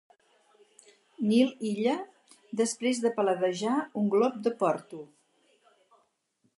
Nil Illa després de paladejar un glop de Porto—.